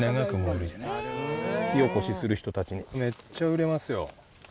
火起こしする人たちにめっちゃ売れますよ。